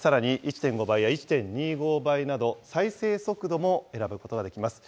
さらに、１．５倍や１．２５倍など、再生速度も選ぶことができます。